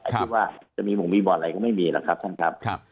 อย่างที่ว่าจะมีหมูมีบ่อนอะไรก็ไม่มีล่ะครับท่านครับ